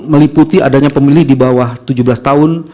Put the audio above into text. meliputi adanya pemilih di bawah tujuh belas tahun